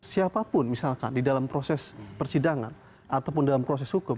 siapapun misalkan di dalam proses persidangan ataupun dalam proses hukum